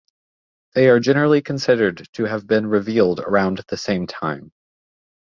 They are generally considered to have been revealed around the same time.